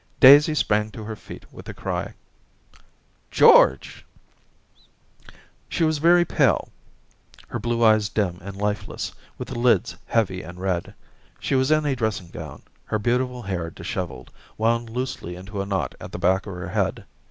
Daisy sprang to her feet with a cry. * George !' Daisy 243 She was very pale, her blue eyes dim and lifeless, with the lids heavy and red ; she was in a dressing gown, her beautiful hair dis hevelled, wound loosely into a knot at the back of her head.